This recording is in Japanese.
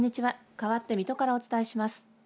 かわって水戸からお伝えします。